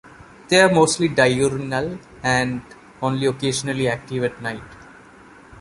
They are mostly diurnal, and only occasionally active at night.